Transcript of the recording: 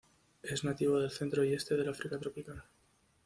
Es nativo del centro y este del África tropical.